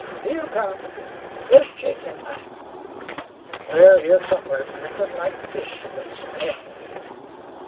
"He'll come. Where's Jake and Mac?" "They're here somewhere, drinkin' like fish, an' raisin' hell."